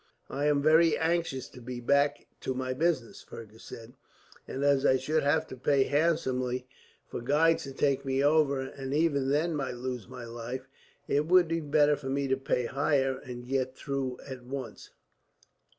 "I am very anxious to be back to my business," Fergus said; "and as I should have to pay handsomely for guides to take me over, and even then might lose my life, it would be better for me to pay higher and get through at once."